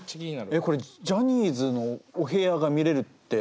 えっこれジャニーズのお部屋が見れるって。